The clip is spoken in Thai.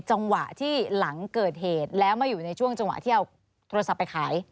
จังหวะที่หลังเกิดเหตุแล้วมาอยู่ในช่วงจังหวะที่เอาโทรศัพท์ไปขาย